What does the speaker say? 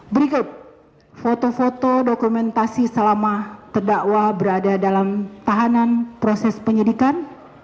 berikut foto foto dokumentasi selama terdakwa berada dalam tahanan proses penyidikan